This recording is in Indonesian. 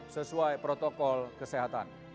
sesuai protokol kesehatan